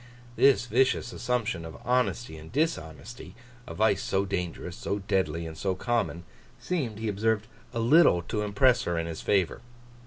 This vicious assumption of honesty in dishonesty—a vice so dangerous, so deadly, and so common—seemed, he observed, a little to impress her in his favour.